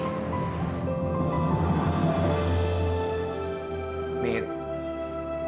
mit tawaran aku